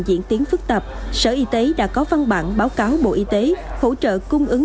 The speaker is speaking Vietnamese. diễn tiến phức tạp sở y tế đã có văn bản báo cáo bộ y tế hỗ trợ cung ứng